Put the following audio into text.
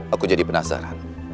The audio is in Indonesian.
aku jadi penasaran